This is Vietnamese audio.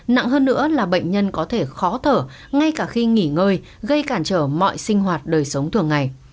nặng hơn nữa là bệnh nhân có thể khó thở ngay cả khi nghỉ ngơi gây cản trở mọi sinh hoạt đời sống thường ngày